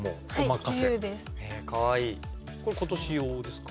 これ今年用ですか？